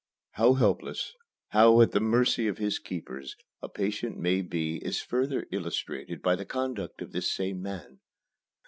How helpless, how at the mercy of his keepers, a patient may be is further illustrated by the conduct of this same man.